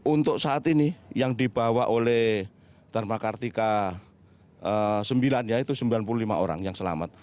untuk saat ini yang dibawa oleh darmakartika sembilan ya itu sembilan puluh lima orang yang selamat